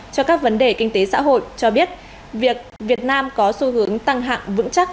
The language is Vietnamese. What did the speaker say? cho các vấn đề kinh tế xã hội cho biết việc việt nam có xu hướng tăng hạng vững chắc